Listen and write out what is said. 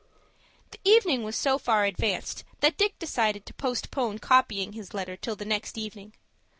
The evening was so far advanced that Dick decided to postpone copying his letter till the next evening.